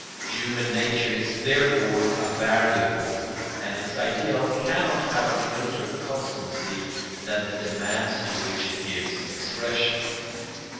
Human nature is therefore a variable, and its ideal cannot have a greater constancy than the demands to which it gives expression.